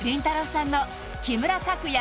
さんの木村拓哉